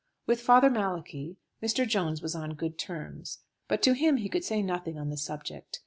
With Father Malachi Mr. Jones was on good terms, but to him he could say nothing on the subject.